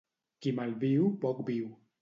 Qui malviu, poc viu.